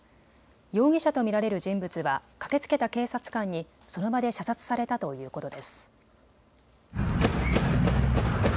容疑者と見られる人物は駆けつけた警察官に、その場で射殺されたということです。